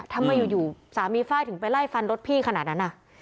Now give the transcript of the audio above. ทำไมอยู่สามีไฟล์ถึงไปไล่ฟันรถพี่ขนาดนั้น